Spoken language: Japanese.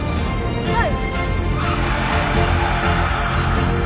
はい！